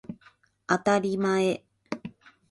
あたりまえ